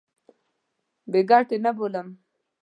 بې ګټې نه بولم.